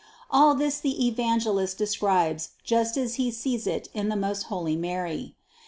All this the Evan gelist describes just as he sees it in the most holy Mary.